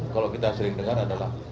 kalau kita sering dengar adalah